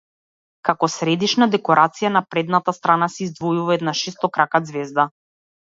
Како средишна декорација на предната страна се издвојува една шестокрака ѕвезда.